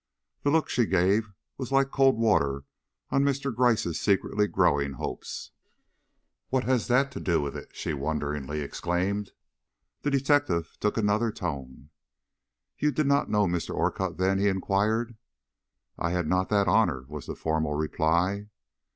The look she gave was like cold water on Mr. Gryce's secretly growing hopes. "What has that to do with it?" she wonderingly exclaimed. The detective took another tone. "You did not know Mr. Orcutt then?" he inquired. "I had not that honor," was the formal reply.